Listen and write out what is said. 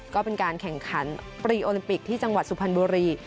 ก็เป็นการแข่งขันปรีโอลิมปิกที่จังหวัดสุพรรณบุรี